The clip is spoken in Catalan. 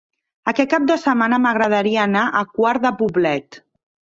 Aquest cap de setmana m'agradaria anar a Quart de Poblet.